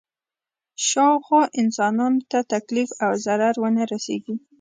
شاوخوا انسانانو ته تکلیف او ضرر ونه رسېږي.